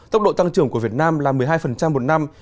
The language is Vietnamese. tốc độ tăng trưởng của việt nam là một mươi hai một năm